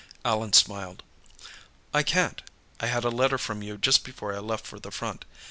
Allan smiled. "I can't. I had a letter from you just before I left for the front.